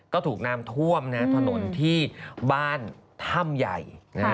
ก็ถูกน้ำท่วมถนนที่บ้านถ้ำใหญ่